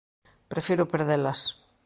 Prefiro perdelas.